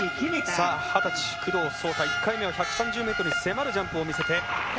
二十歳、工藤漱太、１回目は１３０ｍに迫るジャンプを見せて。